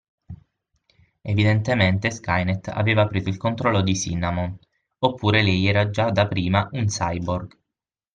Evidentemente Skynet aveva preso il controllo di Cinnamon, oppure lei era già da prima un cyborg.